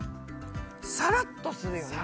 さらっとするよね。